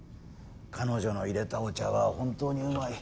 彼女のいれたお茶は本当にうまい。